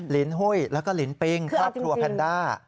ลินหุ้ยแล้วก็ลินปิงครอบครัวแพนด้า